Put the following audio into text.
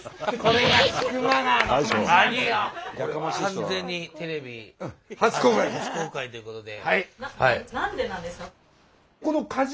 完全にテレビ初公開ということで。